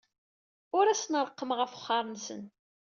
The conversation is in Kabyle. Ur asen-reqqmeɣ afexxar-nsen.